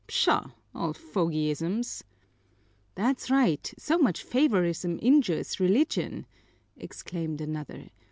Pshaw, old fogyisms!" "That's right! So much favoritism injures Religion!" exclaimed another.